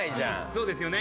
そうですよね。